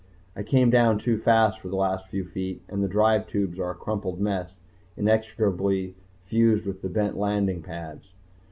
I came down too fast the last few feet, and the drive tubes are a crumpled mess inextricably fused with the bent landing pads.